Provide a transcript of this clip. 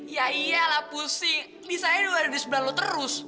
ya iyalah pusing disain gue udah di sebelah lo terus